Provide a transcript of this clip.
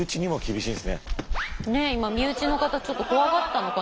ねえ今身内の方ちょっと怖がったのかな？